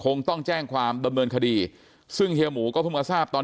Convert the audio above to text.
คงต้องแจ้งความดำเนินคดีซึ่งเฮียหมูก็เพิ่งมาทราบตอน